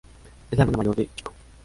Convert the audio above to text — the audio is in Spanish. Es la hermana mayor de Chico.